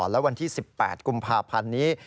และวันที่๑๘กุมภาพันธ์นี้